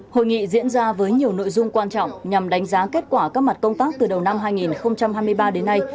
hội nghị diễn ra với nhiều nội dung quan trọng nhằm đánh giá kết quả các mặt công tác từ đầu năm hai nghìn hai mươi ba đến nay